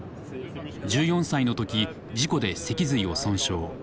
１４歳の時事故で脊髄を損傷。